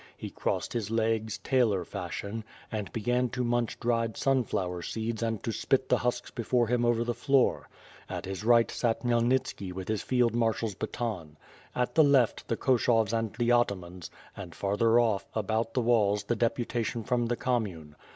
He crossed his legs, tailor fashion, and began to munch dried sunflower seeds and to spit the husks before him over the floor. At his right sat Khmyel nitski with his field marshars baton. At the left, the Ko shavs and the atamans, and farther off, about the walls the deputation from the Commune.